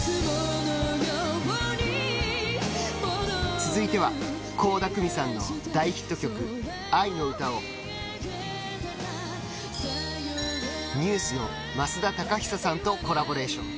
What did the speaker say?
続いては倖田來未さんの大ヒット曲「愛のうた」をＮＥＷＳの増田貴久さんとコラボレーション。